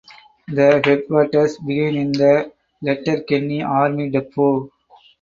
The headwaters begin in the Letterkenny Army Depot.